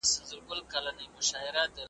په پنجرو کي له چیغاره سره نه جوړیږي ,